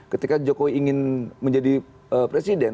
ketika jokowi ingin menjadi presiden